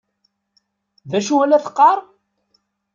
D acu ay la teqqar?